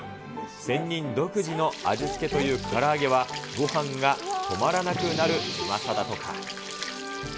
仙人独自の味付けというから揚げは、ごはんが止まらなくなるうまさだとか。